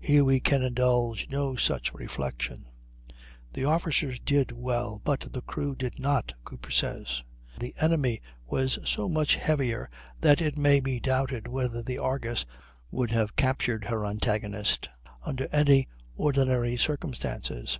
Here we can indulge no such reflection. The officers did well, but the crew did not. Cooper says: "The enemy was so much heavier that it may be doubted whether the Argus would have captured her antagonist under any ordinary circumstances."